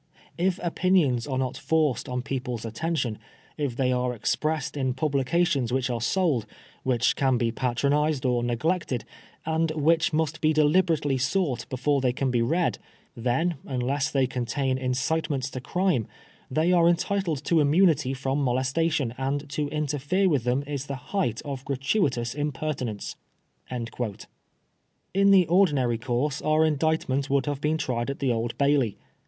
If opinions are not forced on people's attention, if they are expressed in publications which are sold, which can be patronised or neglected, and which must be deliberately sought before they can be read; then, unless they contain incitements to crime, they are entitled to immunity from molestation, and to interfere with them is the height of gratuitous impertinence.'' In the ordinary course our Indictment would have been tried at the Old Bailey.